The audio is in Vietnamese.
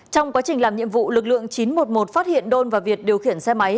trong quá trình làm nhiệm vụ lực lượng chín trăm một mươi một phát hiện đôn và việt điều khiển xe máy